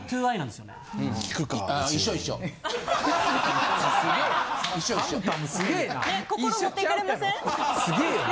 すげえよね。